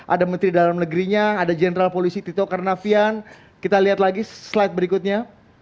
ada menteri dalam negerinya ada jenderal polisi tito karnavian kita lihat lagi slide berikutnya